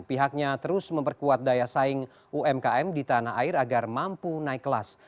pihaknya terus memperkuat daya saing umkm di tanah air agar mampu naik kelas